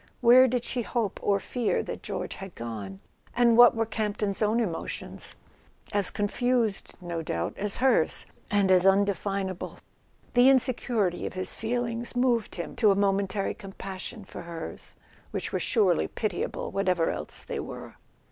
Where did she hope or fear that George had gone ? And what were Camp ton's own emotions ? As confused, no doubt, as hers—as undefinable. The insecurity of his feelings moved him to a momentary compassion for hers, which were surely pitiable, what¬ ever else they were.